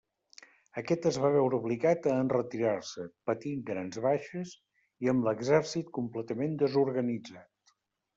Aquest es va veure obligat a enretirar-se, patint grans baixes i amb l'exèrcit completament desorganitzat.